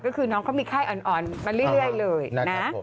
ก็คือน้องเขามีไข้อ่อนมาเรื่อยเลยนะ